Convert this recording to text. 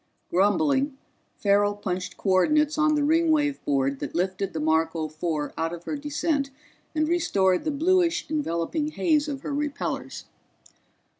Grumbling, Farrell punched coordinates on the Ringwave board that lifted the Marco Four out of her descent and restored the bluish enveloping haze of her repellors.